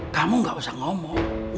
kamu gak usah ngomong